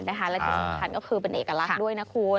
และที่สำคัญก็คือเป็นเอกลักษณ์ด้วยนะคุณ